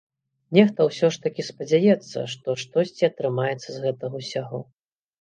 Нехта ўсё ж такі спадзяецца, што штосьці атрымаецца з гэтага ўсяго.